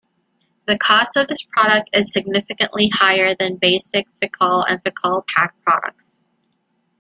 The cost of this product is significantly higher than basic Ficoll and Ficoll-Paque products.